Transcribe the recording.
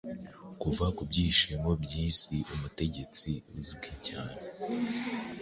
Kuva ku byishimo-byisi umutegetsi uzwi cyane